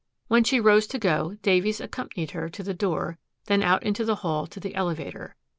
When she rose to go, Davies accompanied her to the door, then out into the hall to the elevator.